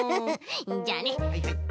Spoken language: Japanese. じゃあね。